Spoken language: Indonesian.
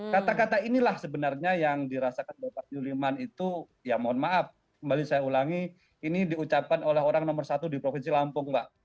kata kata inilah sebenarnya yang dirasakan bapak juliman itu ya mohon maaf kembali saya ulangi ini diucapkan oleh orang nomor satu di provinsi lampung mbak